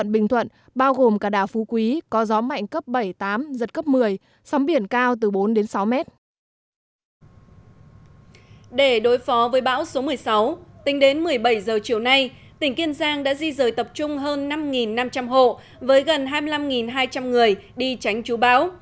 tính đến một mươi bảy h chiều nay tỉnh kiên giang đã di rời tập trung hơn năm năm trăm linh hộ với gần hai mươi năm hai trăm linh người đi tránh chú báo